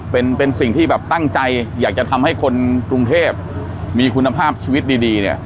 เป็นสิ่งที่แบบตั้งใจอยากจะทำให้คนกรุงเทพมีคุณภาพชีวิตดีเนี่ย